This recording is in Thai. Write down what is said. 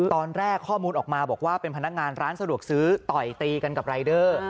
ตอนแรกข้อมูลออกมาบอกว่าเป็นพนักงานร้านสะดวกซื้อต่อยตีกันกับรายเดอร์